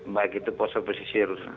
baik itu poso pesisir